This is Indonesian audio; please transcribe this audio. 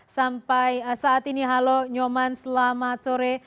sampai saat ini halo nyoman selamat sore